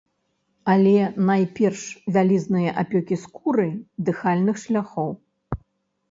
Але найперш вялізныя апёкі скуры, дыхальных шляхоў.